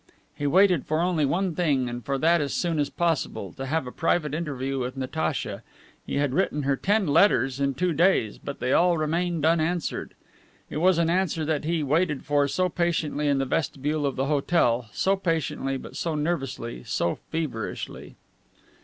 He waited for only one thing, and for that as soon as possible to have a private interview with Natacha. He had written her ten letters in two days, but they all remained unanswered. It was an answer that he waited for so patiently in the vestibule of the hotel so patiently, but so nervously, so feverishly.